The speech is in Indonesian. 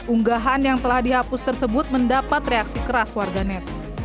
unggahan yang telah dihapus tersebut mendapat reaksi keras warganet